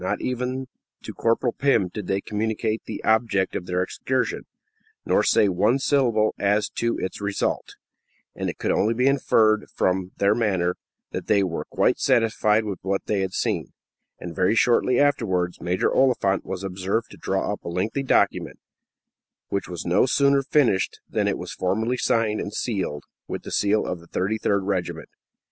Not even to Corporal Pim did they communicate the object of their excursion, nor say one syllable as to its result, and it could only be inferred from their manner that they were quite satisfied with what they had seen; and very shortly afterwards Major Oliphant was observed to draw up a lengthy document, which was no sooner finished than it was formally signed and sealed with the seal of the 33rd Regiment.